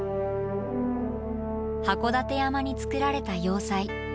函館山につくられた要塞。